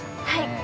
はい。